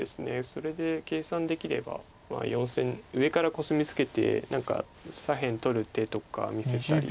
それで計算できれば４線上からコスミツケて何か左辺取る手とか見せたり。